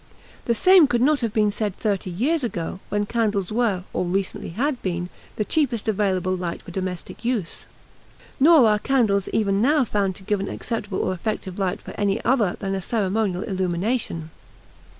The same could not have been said thirty years ago, when candles were, or recently had been, the cheapest available light for domestic use. Nor are candles even now found to give an acceptable or effective light for any other than a ceremonial illumination.